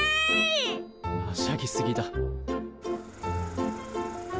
はしゃぎすぎだ。